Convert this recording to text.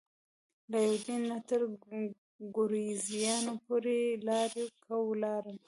له یوډین نه تر ګورېزیا پورې په لارۍ کې ولاړم.